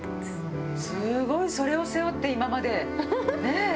すごい！それを背負って今までねえ。